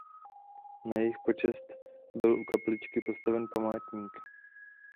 Na jejich počest byl u kapličky postaven památník.